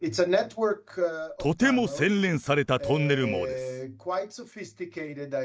とても洗練されたトンネル網です。